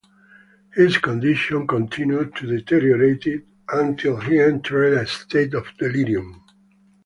His condition continued to deteriorate until he entered a state of delirium.